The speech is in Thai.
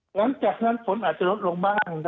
หลังจากนั้นฝนอาจจะลดลงบ้าง